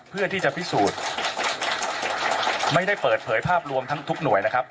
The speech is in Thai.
เพื่อที่จะพิสูจน์ไม่ได้เปิดเผยภาพรวมทั้งทุกหน่วยนะครับ